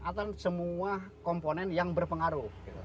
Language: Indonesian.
atau semua komponen yang berpengaruh